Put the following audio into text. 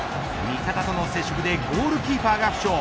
味方との接触でゴールキーパーが負傷。